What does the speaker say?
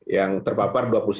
yang terpapar dua puluh sembilan